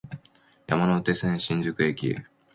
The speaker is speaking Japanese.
山手線、新宿駅